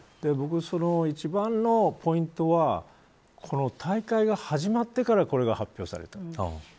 僕、一番のポイントはこの大会が始まってからこれが発表された。